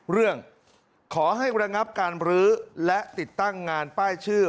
เรื่องขอให้ระงับการบรื้อและติดตั้งงานป้ายชื่อ